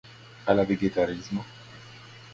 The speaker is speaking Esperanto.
Al la vegetarismo?